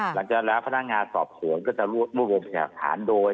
หลังจากนั้นแล้วพนักงานสอบสวนก็จะรวบรวมพยากฐานโดย